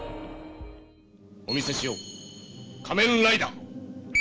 お見せしよう仮面ライダー。